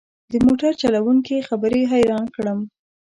د موټر چلوونکي خبرې حيران کړم.